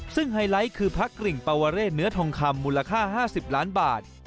ซึ่งไฮไลท์คือพระกริ่งปวเรศเนื้อทองคำมูลค่า๕๐ล้านบาท